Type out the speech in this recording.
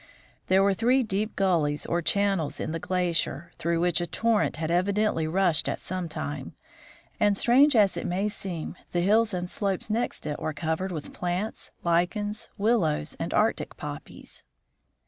There GREELY IN GRINNELL LAND 85 were three deep gullies or channels in the glacier, through which a torrent had evidently rushed at some time ; and, strange as it may seem, the hills and slopes next it were covered with plants, lichens, willows, and Arctic poppies.